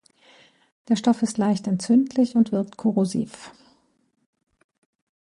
Der Stoff ist leicht entzündlich und wirkt korrosiv.